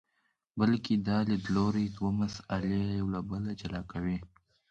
بلکې دا لیدلوری دوه مسئلې له یو بل جلا کوي.